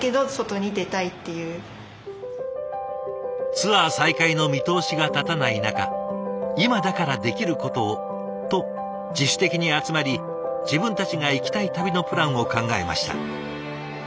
ツアー再開の見通しが立たない中今だからできることをと自主的に集まり自分たちが行きたい旅のプランを考えました。